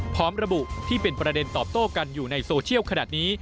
พร้อมระบุที่เป็นประเด็นตอบโต้กันอยู่ในโซเชียลขนาดนี้